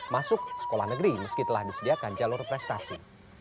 masuk sekolah negeri meski telah disediakan jalur prestasi